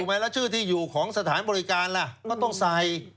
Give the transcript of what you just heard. ไหมแล้วชื่อที่อยู่ของสถานบริการล่ะก็ต้องใส่